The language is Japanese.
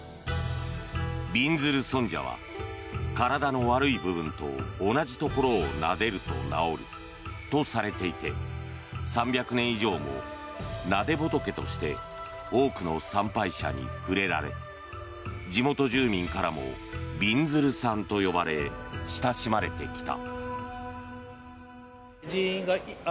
びんずる尊者は体の悪い部分と同じところをなでると治るとされていて３００年以上も、なで仏として多くの参拝者に触れられ地元住民からもびんずるさんと呼ばれ親しまれてきた。